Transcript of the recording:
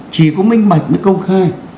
chỉ có minh bạc mới công khai